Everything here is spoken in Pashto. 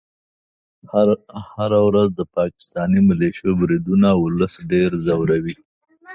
هره ورځ د پاکستاني ملیشو بریدونه ولس ډېر ځوروي.